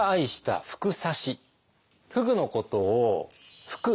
「ふぐ」のことを「ふく」。